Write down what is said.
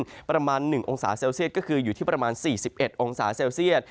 ประมาณ๑องศาเซลเซียตก็คืออยู่ที่ประมาณ๔๑องศาเซลเซียต